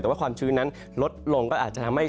แต่ว่าความชื้นนั้นลดลงก็อาจจะทำให้